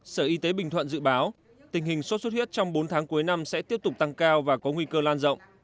sở y tế bình thuận dự báo tình hình sốt xuất huyết trong bốn tháng cuối năm sẽ tiếp tục tăng cao và có nguy cơ lan rộng